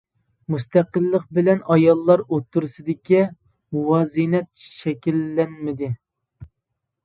مۇستەقىللىق بىلەن ئاياللار ئوتتۇرىسىدىكى مۇۋازىنەت شەكىللەنمىدى.